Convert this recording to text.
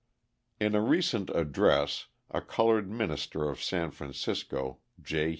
In a recent address a coloured minister of San Francisco, J.